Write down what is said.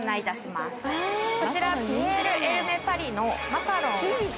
こちらピエール・エルメ・パリのマカロン。